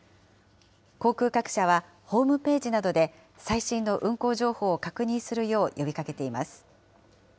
航空各社は、ホームページなどで最新の運航情報を確認するよう呼びかけています。